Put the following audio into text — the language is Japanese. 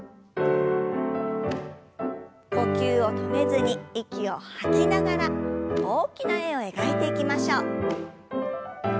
呼吸を止めずに息を吐きながら大きな円を描いていきましょう。